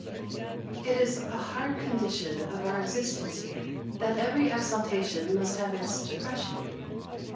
IT is a hard condition of our existence here, that every exaltation must have its depression.